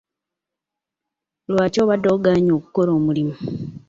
Lwaki obadde ogaanye okukola omulimu.